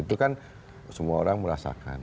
itu kan semua orang merasakan